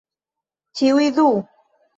Ĉiuj du!